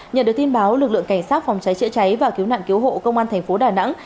nhờ được tin báo lực lượng cảnh sát phòng cháy chữa cháy và cứu nạn cứu hộ công an tp đà nẵng